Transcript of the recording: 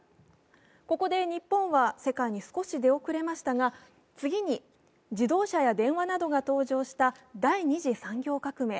ここで日本は世界に少し出遅れましたが次に自動車や電話などが登場した第２次産業革命。